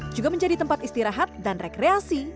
juga menjadi tempat istirahat dan rekreasi